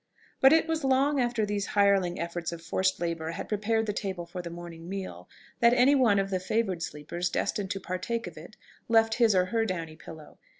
But it was long after these hireling efforts of forced labour had prepared the table for the morning meal, that any one of the favoured sleepers destined to partake of it left his or her downy pillow....